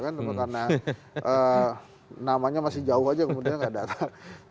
karena namanya masih jauh saja kemudian gak datang